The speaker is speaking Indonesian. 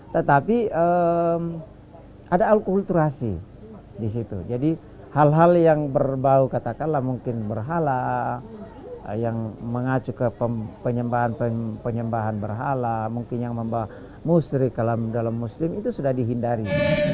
tetapi ada alkulturasi di situ jadi hal hal yang berbau katakanlah mungkin berhala yang mengacu ke penyembahan berhala mungkin yang membawa musri dalam muslim itu sudah dihindari